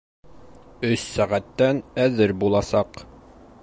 Өс сәғәттән әҙер буласаҡ.